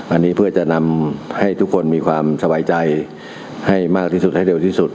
อันนี้เพื่อจะนำให้ทุกคนมีความสบายใจให้มากที่สุดให้เร็วที่สุด